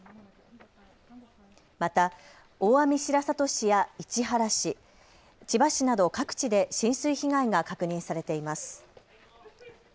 また大網白里市や市原市、千葉市など各地で浸水被害が確認されています。